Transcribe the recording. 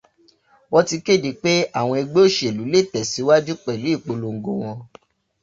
Wọ́n ti kéde pé àwọn ẹgbẹ́ òṣèlú lé tẹ̀síwájú pẹ̀lú ìpolongo wọn.